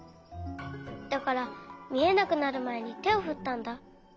だからみえなくなるまえにてをふったんだ。